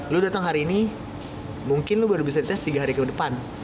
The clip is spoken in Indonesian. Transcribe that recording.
lu datang hari ini mungkin lo baru bisa dites tiga hari ke depan